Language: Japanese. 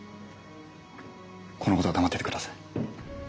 このことは黙っててください。